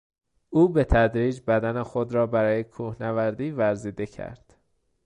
او به تدریج بدن خود را برای کوهنوردی ورزیده کرد.